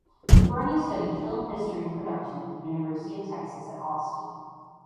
Berney studied film history and production at the University of Texas at Austin.